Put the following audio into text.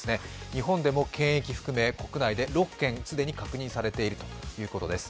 日本でも検疫含め既に６件、既に確認されているということです。